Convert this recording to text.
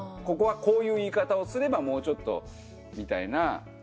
ここはこういう言い方をすればもうちょっとみたいな。